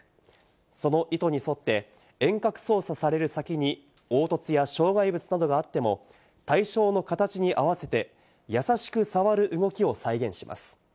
その意図に沿って、遠隔操作される先に凹凸や障害物などがあっても、対象の形に合わせて、優しく触る動きを再現します。